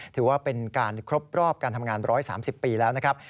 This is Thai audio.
ถือว่าเป็นการครบรอบการทำงาน๑๓๐ปีแล้วนะครับ